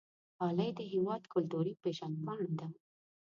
غالۍ د هېواد کلتوري پیژند پاڼه ده.